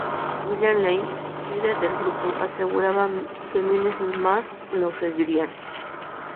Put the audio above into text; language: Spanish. William Lane, líder del grupo, aseguraba que miles más los seguirían.